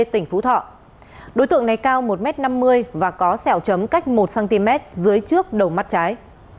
tỉnh phú thọ đối tượng này cao một m năm mươi và có sẹo chấm cách một cm dưới trước đầu mắt trái